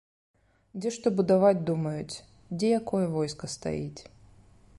Дзе што будаваць думаюць, дзе якое войска стаіць.